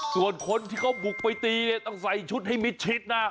ส่วนคนที่เขาบุกไปตีเนี่ยต้องใส่ชุดให้มิดชิดนะ